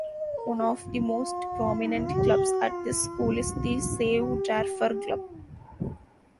One of the most prominent clubs at this school is the Save Darfur Club.